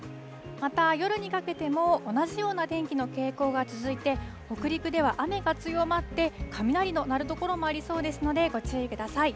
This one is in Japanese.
また、夜にかけても同じような天気の傾向が続いて、北陸では雨が強まって、雷の鳴る所もありそうですので、ご注意ください。